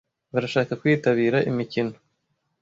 Barashaka kwitabira imikino